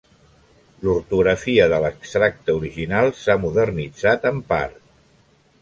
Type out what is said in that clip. L'ortografia de l'extracte original s'ha modernitzat en part.